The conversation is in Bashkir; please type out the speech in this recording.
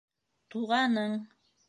Туғаның!